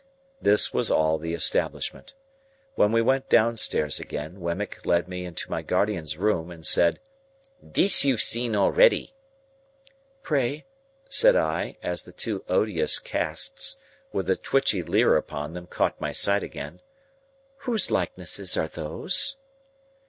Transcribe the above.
This was all the establishment. When we went downstairs again, Wemmick led me into my guardian's room, and said, "This you've seen already." "Pray," said I, as the two odious casts with the twitchy leer upon them caught my sight again, "whose likenesses are those?"